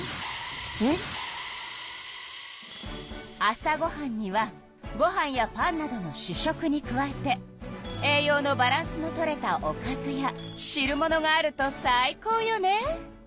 朝ごはんにはごはんやパンなどの主食に加えて栄養のバランスのとれたおかずや汁物があると最高よね。